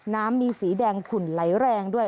น้ำมีสีแดงขุ่นไหลแรงด้วย